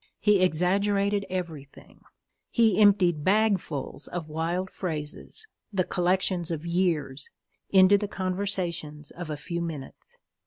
He exaggerated everything. He emptied bagfuls of wild phrases the collections of years into the conversations of a few minutes.